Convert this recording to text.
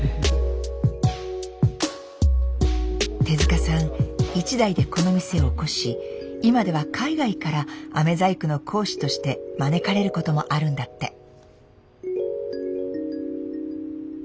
手塚さん一代でこの店をおこし今では海外から飴細工の講師として招かれることもあるんだって。